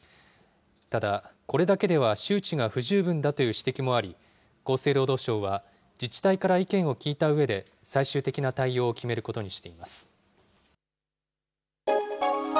ただ、これだけでは周知が不十分だという指摘もあり、厚生労働省は、自治体から意見を聞いたうえで最終的な対応を決めることにしています。